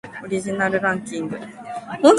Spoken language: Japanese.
オリジナルランキング